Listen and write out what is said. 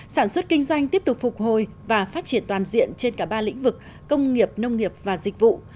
sản xuất kinh doanh tiếp tục phục hồi và phát triển toàn diện trên cả ba lĩnh vực công nghiệp nông nghiệp và dịch vụ